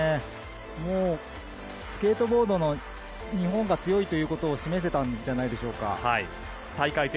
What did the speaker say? スケートボードの日本が強いということを示せたのではないでしょうか。